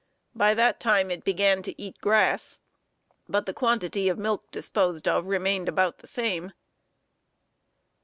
By that time it began to eat grass, but the quantity of milk disposed of remained about the same.